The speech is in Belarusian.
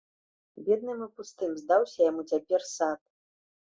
Бедным і пустым здаўся яму цяпер сад.